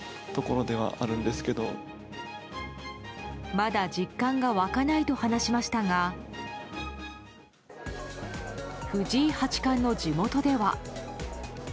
まだ実感が沸かないと話しましたが藤井八冠の地元では。